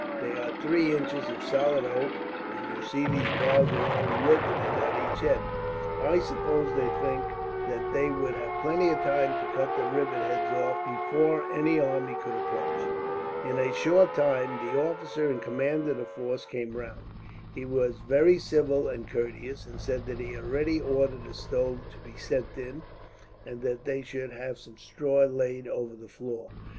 "They are three inches of solid oak, and you see these bars are all riveted at each end. I suppose they think that they would have plenty of time to cut the rivet heads off, before any army could approach." In a short time the officer in command of the force came round. He was very civil and courteous, and said that he had already ordered a stove to be sent in, and that they should have some straw laid over the floor.